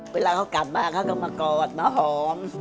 เวลาเขากลับมาเขาก็มากอดมาหอม